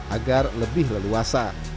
agar lebih leluasa